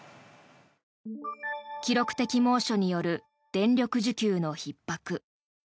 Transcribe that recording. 記録的猛暑による電力需給のひっ迫。